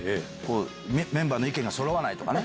メンバーの意見がそろわないとか。